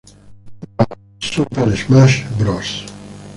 Brawl", "Super Smash Bros.